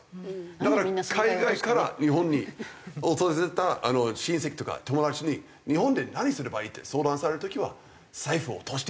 だから海外から日本に訪れた親戚とか友達に「日本で何すればいい？」って相談される時は。